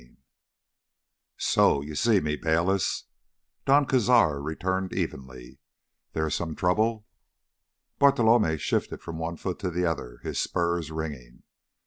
4 "So, you see me, Bayliss," Don Cazar returned evenly. "There is some trouble?" Bartolomé shifted from one foot to the other, his spurs ringing.